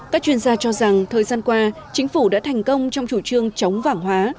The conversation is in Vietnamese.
các chuyên gia cho rằng thời gian qua chính phủ đã thành công trong chủ trương chống vàng hóa